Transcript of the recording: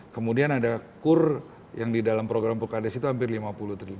kemudian ada kur yang di dalam program pokades itu hampir lima puluh triliun